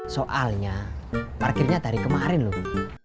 soalnya parkirnya dari kemarin loh